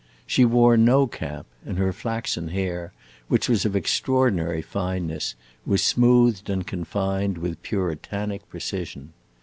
She wore no cap, and her flaxen hair, which was of extraordinary fineness, was smoothed and confined with Puritanic precision.